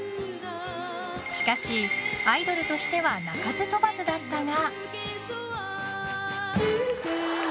しかし、アイドルとしては鳴かず飛ばずだったが。